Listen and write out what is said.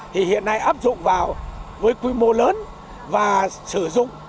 thì hiện nay áp dụng vào với quy mô lớn và sử dụng